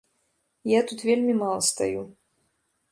Я тут вельмі мала стаю.